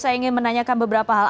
saya ingin menanyakan beberapa hal